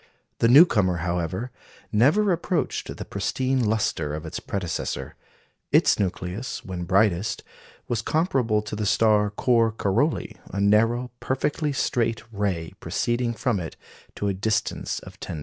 The newcomer, however, never approached the pristine lustre of its predecessor. Its nucleus, when brightest, was comparable to the star Cor Caroli, a narrow, perfectly straight ray proceeding from it to a distance of 10°.